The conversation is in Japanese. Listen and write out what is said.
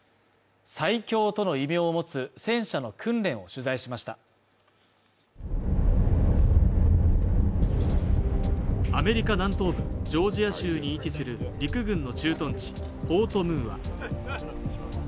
最強との異名を持つ戦車の訓練を取材しましたアメリカ南東部ジョージア州に位置する陸軍の駐屯地フォート・ムーア